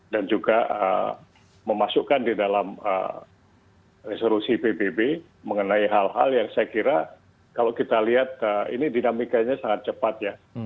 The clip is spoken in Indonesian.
dan juga memasukkan di dalam resolusi pbb mengenai hal hal yang saya kira kalau kita lihat ini dinamikanya sangat cepat ya